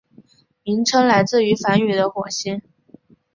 名称来自于梵语的火星。